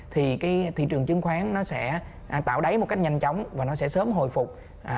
thì cái thị trường chứng khoán nó sẽ tạo đáy một cách nhanh chóng và nó sẽ sớm hồi phục